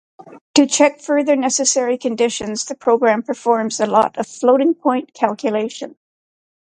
To check further necessary conditions the program performs a lot of floating-point calculation.